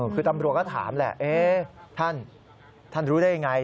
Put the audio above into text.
คือตำรวจก็ถามแหละท่านท่านรู้ได้ยังไง